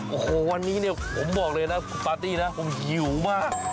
โอ้โหวันนี้เนี่ยผมบอกเลยนะคุณปาร์ตี้นะผมหิวมาก